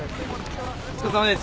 ・お疲れさまです。